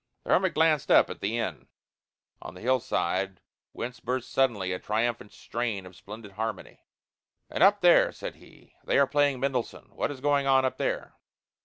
The hermit glanced up at the inn on the hillside whence burst suddenly a triumphant strain of splendid harmony. "And up there," said he, "they are playing Mendelssohn what is going on up there?"